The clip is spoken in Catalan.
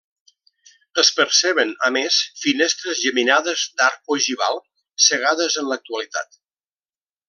Es perceben, a més, finestres geminades d'arc ogival, cegades en l'actualitat.